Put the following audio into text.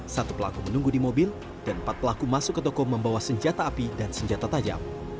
satu pelaku menunggu di mobil dan empat pelaku masuk ke toko membawa senjata api dan senjata tajam